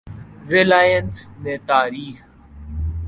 Reliance نے تاریخ